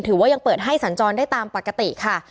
ยังเปิดให้สัญจรได้ตามปกติค่ะ